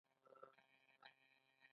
آیا چې ډیر درسونه نلري؟